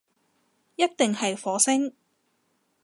一定係火星